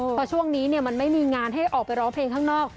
เพราะช่วงนี้มันไม่มีงานให้ออกไปร้องเพลงข้างนอก